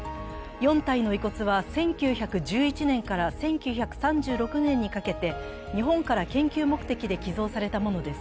４体の遺骨は１９１１年から１９３６年にかけて日本から研究目的で寄贈されたものです。